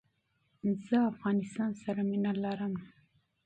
زه افغانستان سر مینه لرم